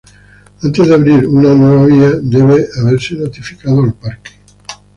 Antes de abrir una nueva vía, debe haberse notificado al Parque.